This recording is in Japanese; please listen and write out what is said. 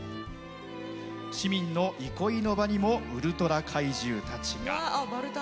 市民の憩いの場にもウルトラ怪獣たちが。